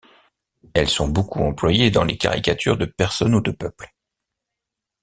Elles sont beaucoup employées dans les caricatures de personnes ou de peuples.